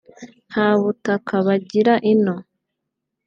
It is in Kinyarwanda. nta butaka bagira ino